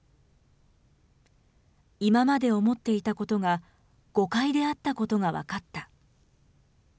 今まで思っていたことが誤解であったことが分かった。